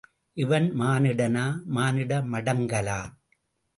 இவன் மானிடனா, மானிட மடங்கலா?